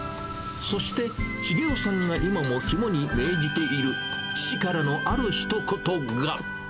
そして、茂夫さんが今も肝に銘じている父からのあるひと言が。